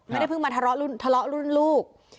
ไม่ได้เพิ่งมาทะเลาะรุ่นลูก